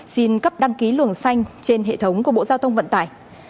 xin cấp đăng ký luồng xanh trên hệ thống của bộ giao thông vận tải